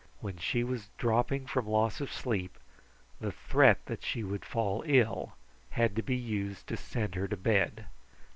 When she was dropping from loss of sleep, the threat that she would fall ill had to be used to send her to bed.